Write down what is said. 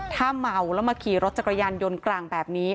ถ้าเมาแล้วมาขี่รถจักรยานยนต์กลางแบบนี้